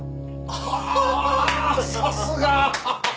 ・・あさすが！